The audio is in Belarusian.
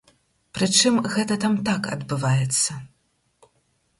Прычым, гэта там так адбываецца.